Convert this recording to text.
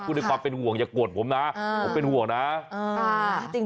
ด้วยความเป็นห่วงอย่าโกรธผมนะผมเป็นห่วงนะ